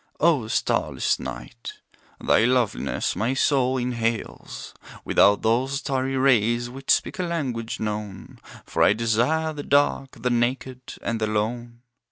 O starless night! thy loveliness my soul inhales, Without those starry rays which speak a language known, For I desire the dark, the naked and the lone.